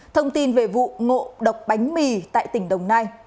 thông tin về vụ ngộ độc bánh mì tại tỉnh đồng nai